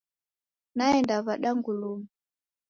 Naenda w'ada nguluma